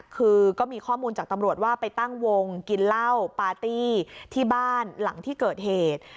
คือก็มีข้อมูลจากตำรวจว่าไปตั้งวงกินเหล้าปาร์ตี้ที่บ้านหลังที่เกิดเหตุ